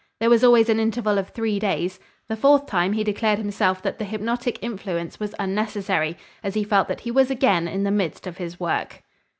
There was always an interval of three days. The fourth time he declared himself that the hypnotic influence was unnecessary, as he felt that he was again in the midst of his work.